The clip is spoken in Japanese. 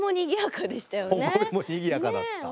ホコリもにぎやかだった。